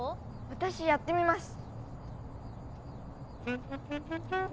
私やってみます。